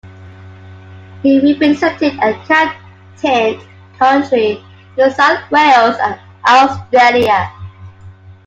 He represented and captained Country, New South Wales and Australia.